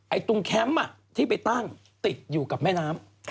ตรงแคมป์ที่ไปตั้งติดอยู่กับแม่น้ำ